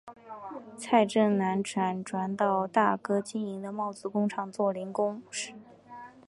蔡振南辗转到大哥经营的帽子工厂做临时工。